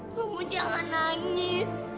kamu jangan nangis